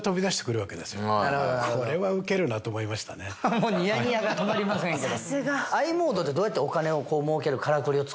もうニヤニヤが止まりませんけど。